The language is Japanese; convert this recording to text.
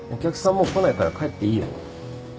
もう来ないから帰っていいよ。